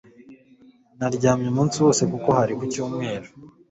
naryamye umunsi wose, kuko hari ku cyumweru